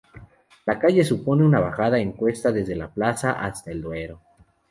La calle supone una bajada en cuesta desde la Plaza hasta el Duero.